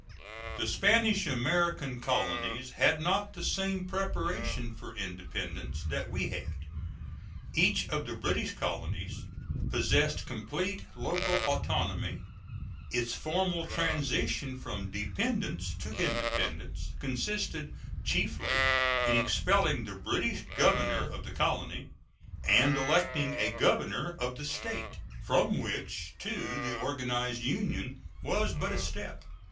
The Spanish American colonies had not the same preparation for independence that we had. Each of the British colonies possessed complete local autonomy. Its formal transition from dependence to independence consisted chiefly in expelling the British governor of the colony and electing a governor of the State, from which to the organized Union was but a step.